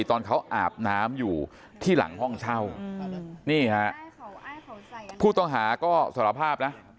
ตอนเขาอาบน้ำอยู่ที่หลังห้องเช่านี่ฮะผู้ต้องหาก็สารภาพนะ